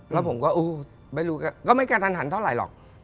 แล้วผมก็ไม่รู้ก็ไม่กระทันหันเท่าไหร่หรอก